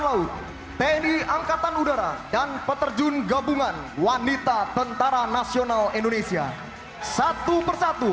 laut tni angkatan udara dan peterjun gabungan wanita tentara nasional indonesia satu persatu